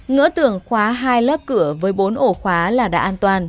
ngỡ tường khóa hai lớp cửa với bốn ổ khóa là đã an toàn